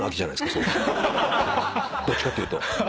どっちかっていうと。